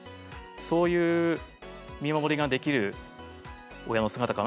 そういう見守りができる親の姿かなと思いました。